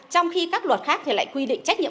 trong khi các luật khác thì lại quy định trách nhiệm